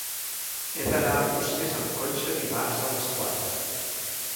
He d'anar a Arbúcies amb cotxe dimarts a les quatre.